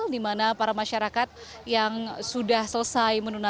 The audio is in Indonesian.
di mana para masyarakat yang sudah selesai